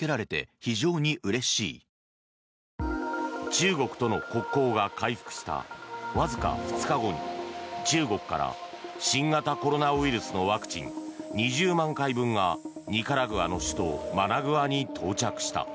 中国との国交が回復したわずか２日後に中国から、新型コロナウイルスのワクチン２０万回分がニカラグアの首都マナグアに到着した。